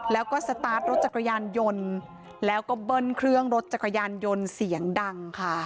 แล้วก็สตาร์ทรถจักรยานยนต์แล้วก็เบิ้ลเครื่องรถจักรยานยนต์เสียงดังค่ะ